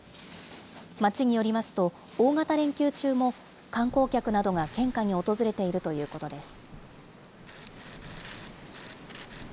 町によりますと、大型連休中も観光客などが献花に訪れているということです。